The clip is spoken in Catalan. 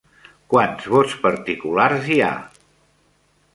Quants vots particulars hi ha?